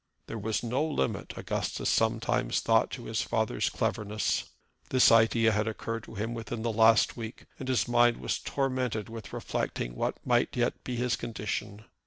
There was no limit, Augustus sometimes thought, to his father's cleverness. This idea had occurred to him within the last week, and his mind was tormented with reflecting what might yet be his condition.